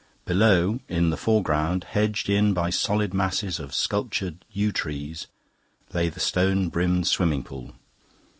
Below, in the foreground, hedged in by solid masses of sculptured yew trees, lay the stone brimmed swimming pool.